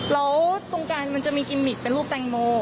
แล้วตรงกลางมันจะมีกิมมิกเป็นรูปแตงโม